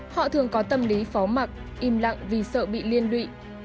họ thường có tâm lý phó mặc im lặng vì sợ bị liên lụy